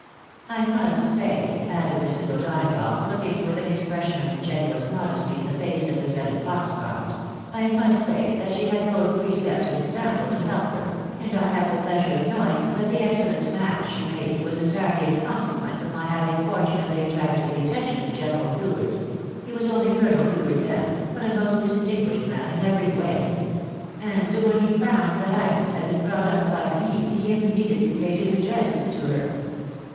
"" I must say," added Mrs. O'Donagough, looking with an expression of ingenuous modesty in the face of Lieutenant Fox croft, " I must say that she had both precept and example to I^ATHERS BT MOONLIGHT. 139 help her, and I have the pleasure of knowing that the excellent match she made was entirely in consequence of my having for tunately attracted the attention of General Hubert — he was only Colonel Hubert then, but a most distinguished man in every way ; and when he found that Agnes had been brought up by me, he immediately paid his addresses to her.